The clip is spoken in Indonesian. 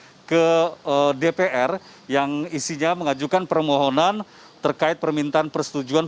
mereka mengirimkan surat ke dpr yang isinya mengajukan permohonan terkait permintaan persetujuan